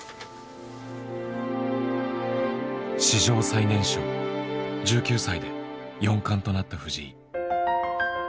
史上最年少１９歳で四冠となった藤井。